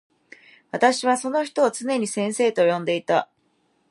私はその人をつねに先生と呼んでいた。